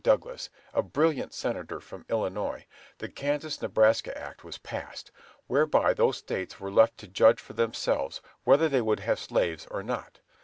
Douglas, a brilliant senator from Illinois, the Kansas Nebraska Act was passed, whereby those States were left to judge for themselves whether they would have slaves or not.